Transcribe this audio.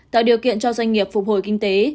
tạo điều kiện cho doanh nghiệp phục hồi kinh tế